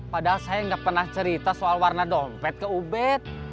padahal saya nggak pernah cerita soal warna dompet ke ubed